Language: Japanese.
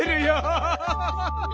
アハハハハ！